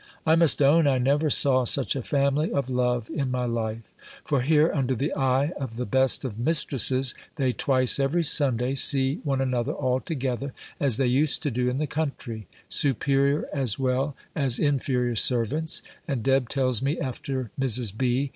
I must own I never saw such a family of love in my life: for here, under the eye of the best of mistresses, they twice every Sunday see one another all together (as they used to do in the country), superior as well as inferior servants; and Deb tells me, after Mrs. B.